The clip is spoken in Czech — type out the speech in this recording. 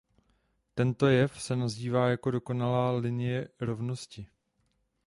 Tento jev se nazývá jako dokonalá linie rovnosti.